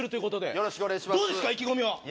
よろしくお願いします。